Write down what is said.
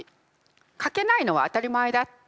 書けないのは当たり前だって。